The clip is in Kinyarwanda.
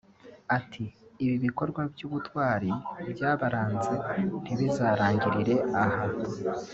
Ati “Ibi bikorwa by’ubutwari byabaranze ntibizarangirire aha